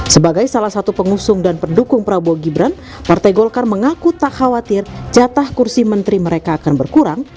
sebagai salah satu pengusung dan pendukung prabowo gibran partai golkar mengaku tak khawatir jatah kursi menteri mereka akan berkurang